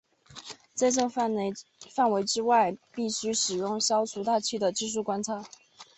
在这范围之外必须使用消除大气的技术观测。